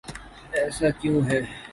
ایسا کیوں ہے؟